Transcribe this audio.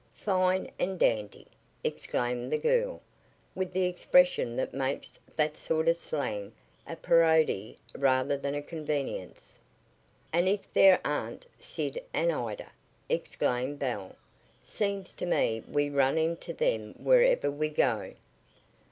"Fine and dandy!" exclaimed the girl, with the expression that makes that sort of slang a parody rather than a convenience. "And if there aren't Sid and Ida!" exclaimed Belle. "Seems to me we run into them wherever we go."